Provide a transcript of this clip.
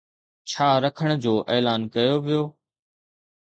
ڇا رکڻ جو اعلان ڪيو ويو؟